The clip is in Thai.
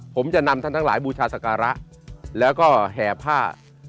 ผมจะนำท่านทั้งหลายบูชาสการะแล้วก็แห่ผ้า